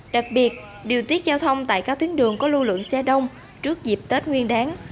đặc biệt điều tiết giao thông tại các tuyến đường có lưu lượng xe đông trước dịp tết nguyên đáng